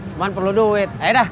cuma perlu duit ayo dah